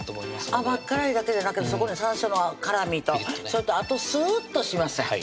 甘辛いだけじゃなくてそこに山椒の辛みとそれとあとスーッとしますやんはい